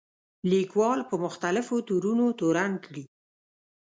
لیکوال په مختلفو تورونو تورن کړي.